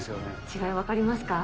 違い分かりますか？